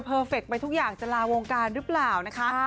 เฟคไปทุกอย่างจะลาวงการหรือเปล่านะคะ